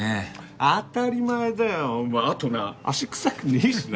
当たり前だよお前あとな足クサくねぇしな。